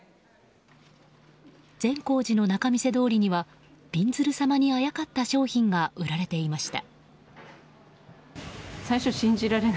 善光寺の仲見世通りにはびんずる様にあやかった商品が売られていました。